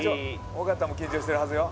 尾形も緊張してるはずよ。